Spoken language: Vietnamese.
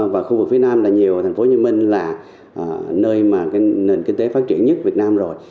và khu vực phía nam là nhiều thành phố hồ chí minh là nơi mà nền kinh tế phát triển nhất việt nam rồi